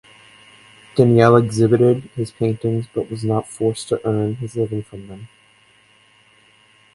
Daniell exhibited his paintings but was not forced to earn his living from them.